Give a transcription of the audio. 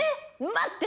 待って。